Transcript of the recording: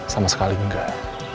sama sekali gak